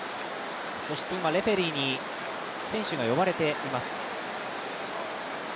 今、レフェリーに選手が呼ばれています。